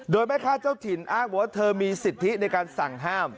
โดยแม่ค้าเจ้าถิ่นอ้างบอกว่าเธอมีสิทธิในการสั่งห้าม